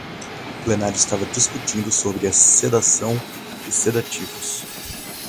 O plenário estava discutindo sobre a sedação e sedativos